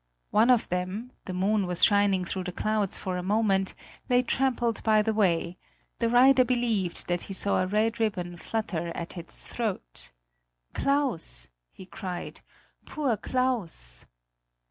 One of them the moon was shining through the clouds for a moment lay trampled by the way: the rider believed that he saw a red ribbon flutter at its throat. "Claus!" he cried; "poor Claus!"